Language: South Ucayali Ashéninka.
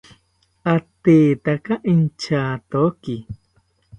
Atetaka intyatoki